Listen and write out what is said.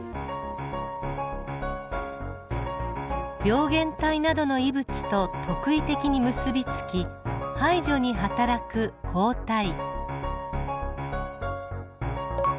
病原体などの異物と特異的に結び付き排除に働く抗体。